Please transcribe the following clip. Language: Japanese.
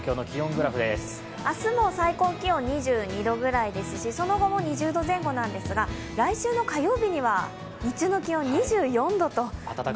明日、最高気温２２度くらいですし、その後も２０度前後なんですが来週の火曜日には日中の気温、２４度と。